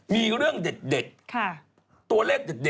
มีเรื่องเด็ด